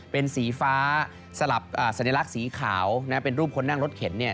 เป็นสีฟ้าสลับสัญลักษณ์สีขาวเป็นรูปคนนั่งรถเข็น